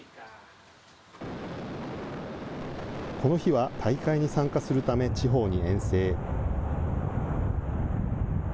この日は大会に参加するため地方に遠征。